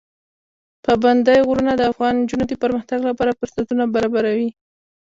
پابندی غرونه د افغان نجونو د پرمختګ لپاره فرصتونه برابروي.